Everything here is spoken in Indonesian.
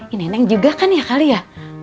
ini neneng juga kan ya kali ya